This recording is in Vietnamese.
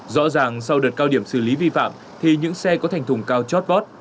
rõ ràng sau đợt cao điểm xử lý vi phạm thì những xe có thành thùng cao chót vót